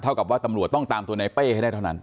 กับว่าตำรวจต้องตามตัวในเป้ให้ได้เท่านั้น